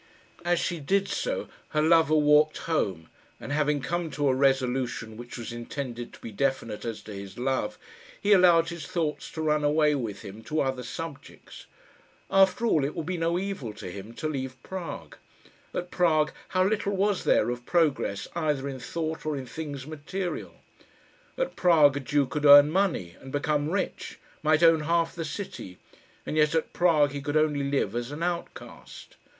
As she did so her lover walked home, and having come to a resolution which was intended to be definite as to his love, he allowed his thoughts to run away with him to other subjects. After all, it would be no evil to him to leave Prague. At Prague how little was there of progress either in thought or in things material! At Prague a Jew could earn money, and become rich might own half the city; and yet at Prague he could only live as an outcast.